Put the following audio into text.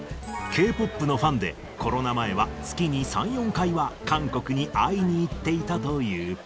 Ｋ−ＰＯＰのファンで、コロナ前は月に３、４回は、韓国に会いに行っていたという。